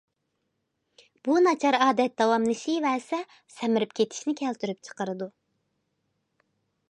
بۇ ناچار ئادەت داۋاملىشىۋەرسە سەمرىپ كېتىشنى كەلتۈرۈپ چىقىرىدۇ.